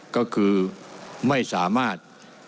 ก็คือไม่สามารถ